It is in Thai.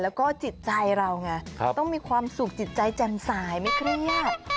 แล้วก็จิตใจเราไงต้องมีความสุขจิตใจแจ่มสายไม่เครียด